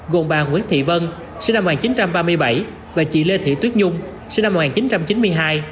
gồm bà nguyễn thị vân sinh năm một nghìn chín trăm ba mươi bảy và chị lê thị tuyết nhung sinh năm một nghìn chín trăm chín mươi hai